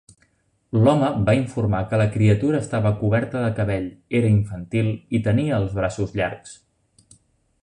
L'home va informar que la criatura estava coberta de cabell, era infantil i tenia els braços llargs.